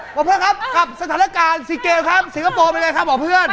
หมอเพื่อนครับกลับสถานการณ์สิงเคงครับสิงคโปร์ไปเลยค่ะหมอเพื่อน